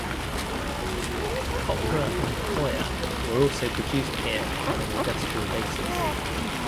Copra and coir were also produced here on an industrial basis.